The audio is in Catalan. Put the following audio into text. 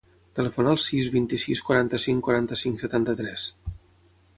Telefona al sis, vint-i-sis, quaranta-cinc, quaranta-cinc, setanta-tres.